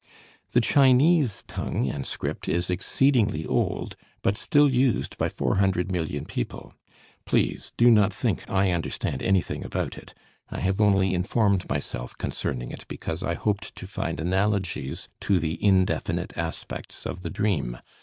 The Chinese tongue and script is exceedingly old, but still used by four hundred million people. Please do not think I understand anything about it. I have only informed myself concerning it because I hoped to find analogies to the indefinite aspects of the dream.